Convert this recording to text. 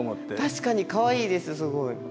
確かにかわいいですすごい。